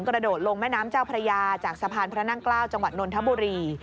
กระโดดลงแม่น้ำเจ้าพระยาจากสะพานพระนั่งเกล้าจังหวัดนนทบุรี